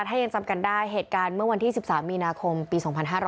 ถ้ายังจำกันได้เหตุการณ์เมื่อวันที่๑๓มีนาคมปี๒๕๕๙